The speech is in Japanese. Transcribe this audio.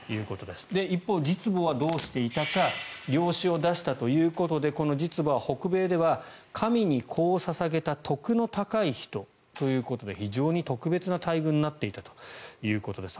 一方、実母はどうしていたか養子を出したということでこの実母は北米では、神に子を捧げた徳の高い人ということで非常に特別な待遇になっていたということです。